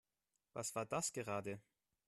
Was war das gerade?